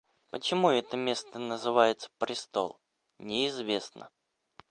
Почему это место называется престол, неизвестно.